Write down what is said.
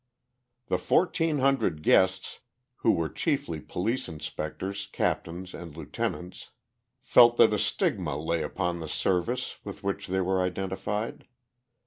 The fourteen hundred guests, who were chiefly police inspectors, captains and lieutenants, felt that a stigma lay upon the service with which they were identified.